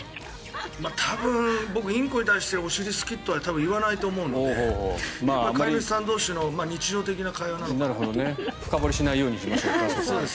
多分僕インコに対してお尻好きと言わないと思うので飼い主さん同士の日常的な会話なのかなと。深掘りしないようにしましょう。